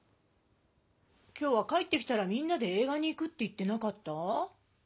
今日は帰ってきたらみんなでえい画に行くって言ってなかった？